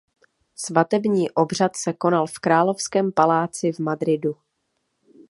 Svatební obřad se konal v Královském paláci v Madridu.